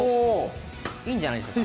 いいんじゃないですか。